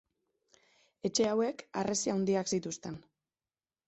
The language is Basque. Etxe hauek harresi handiak zituzten.